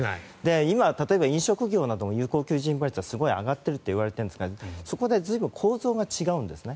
今、例えば飲食業なども有効求人倍率はすごい上がっているといわれているんですがそこで、構造が違うんですね。